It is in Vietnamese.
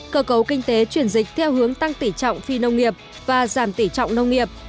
cơ cấu kinh tế chuyển dịch theo hướng tăng tỉ trọng phi nông nghiệp và giảm tỉ trọng nông nghiệp